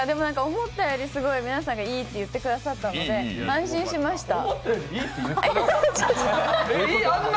思ったよりすごく、皆さんがいいって言ってくださって安心しました。